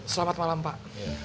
selamat malam pak